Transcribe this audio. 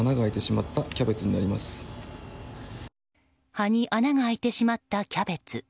葉に穴が開いてしまったキャベツ。